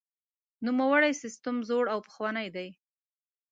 نوموړی سیستم زوړ او پخوانی دی.